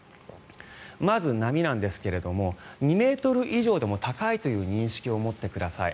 まず、波なんですが２ｍ以上でも高いという認識を持ってください。